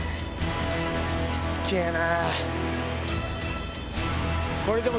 しつけぇな！